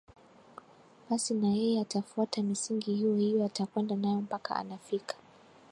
basi nayeye atafuata misingi hiyo hiyo atakwenda nayo mpaka anafika